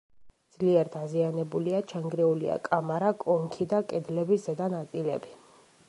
ძლიერ დაზიანებულია: ჩანგრეულია კამარა, კონქი და კედლების ზედა ნაწილები.